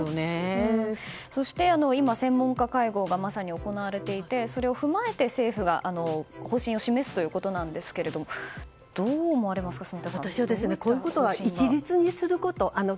そして今、専門家会合がまさに行われていてそれを踏まえて政府が方針を示すということですが私はこういうことは一律にすること。